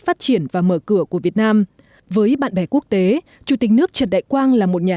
phát triển và mở cửa của việt nam với bạn bè quốc tế chủ tịch nước trần đại quang là một nhà